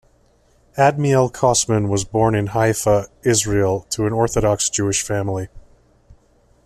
Admiel Kosman was born in Haifa, Israel to an Orthodox Jewish family.